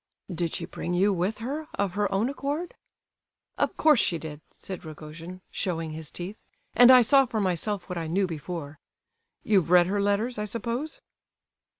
"Did she bring you with her of her own accord?" "Of course she did!" said Rogojin, showing his teeth; "and I saw for myself what I knew before. You've read her letters, I suppose?"